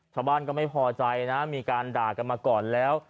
ชาวบ้านก็ไม่พอใจนะมีการด่ากันมาก่อนแล้ว